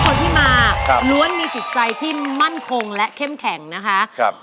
ทุกคนที่มารวดมีติดใจที่มั่นคงและเข้มแข็งนะคะ